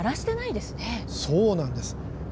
そうなんです。